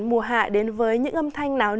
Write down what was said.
mùa hạ đến với những âm thanh của quốc gia